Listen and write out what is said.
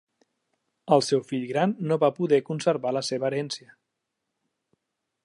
El seu fill gran no va poder conservar la seva herència.